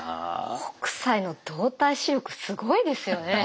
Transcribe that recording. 北斎の動体視力すごいですよね。